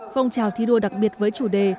phong trào thi đua đặc biệt với chủ đề